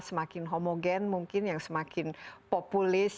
semakin homogen mungkin yang semakin populis